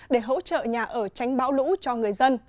để hỗ trợ nhà ở tránh bão lũ cho người dân